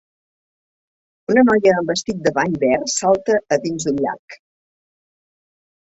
Una noia amb vestit de bany verd salta a dind d'un llac.